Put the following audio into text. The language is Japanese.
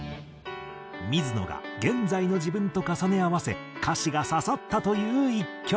水野が現在の自分と重ね合わせ歌詞が刺さったという１曲。